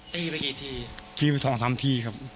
ตีไปกี่ทีตีไป๒๓ทีครับ